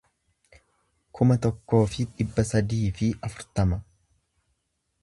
kuma tokkoo fi dhibba sadii fi afurtama